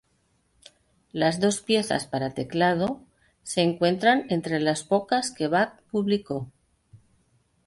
Las dos piezas para teclado se encuentran entre las pocas que Bach publicó.